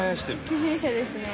不審者ですね。